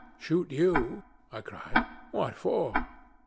'Shoot you!' I cried. 'What for?'